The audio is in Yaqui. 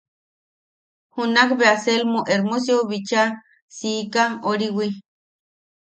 Junak bea Selmo Hermosiou bicha siika oriwi.